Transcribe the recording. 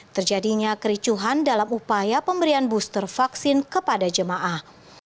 terjadinya kericuhan dalam upaya pemberian booster vaksin kepada jemaah